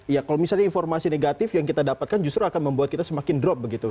ya kalau misalnya informasi negatif yang kita dapatkan justru akan membuat kita semakin drop begitu